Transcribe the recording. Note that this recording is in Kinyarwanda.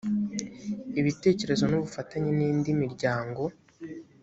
ibitekerezo n ubufatanye n indi miryango